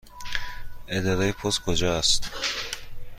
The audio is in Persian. اداره پست کجا است؟